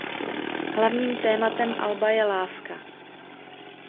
Hlavním tématem alba je láska.